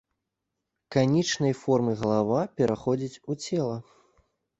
Канічнай формы галава пераходзіць у цела.